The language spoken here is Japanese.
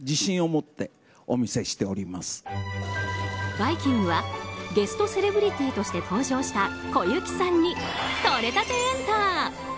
「バイキング」はゲストセレブリティーとして登場した小雪さんにとれたてエンタ。